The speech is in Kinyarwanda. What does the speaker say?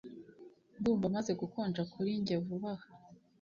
Ndumva amaze gukonja kuri njye vuba aha